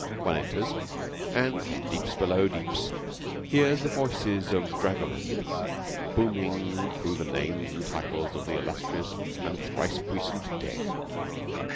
One enters, and from deeps below deeps hears the voices of dragomans booming through the names and titles of the illustrious and thrice puissant dead.